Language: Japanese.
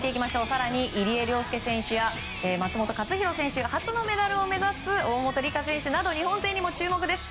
更に入江陵介選手や松元克央選手ら初のメダルを目指す大本里佳選手など日本勢にも注目です。